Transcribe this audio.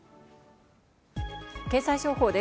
経済情報です。